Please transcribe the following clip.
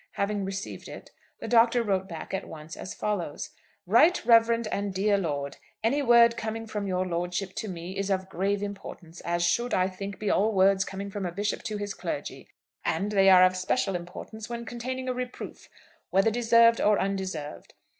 Having received it, the Doctor wrote back at once as follows; "RIGHT REVEREND AND DEAR LORD, Any word coming from your lordship to me is of grave importance, as should, I think, be all words coming from a bishop to his clergy; and they are of special importance when containing a reproof, whether deserved or undeserved.